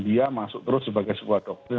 dia masuk terus sebagai sebuah doktrin